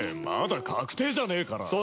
まだ確定じゃねえから。